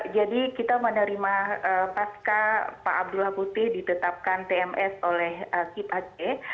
jadi kita menerima pasca pak abdullah putih ditetapkan tms oleh kip aceh